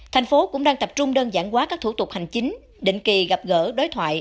thành phố cũng đang tập trung đơn giản hóa các thủ tục hành chính định kỳ gặp gỡ đối thoại